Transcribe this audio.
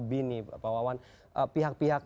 bini pak wawan pihak pihak